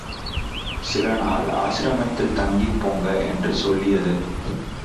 சில நாள் ஆசிரமத்தில் தங்கிப் போங்க —என்று சொல்லியது.